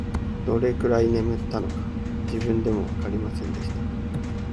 どのくらい眠ったのか、自分でもわかりませんでしたが、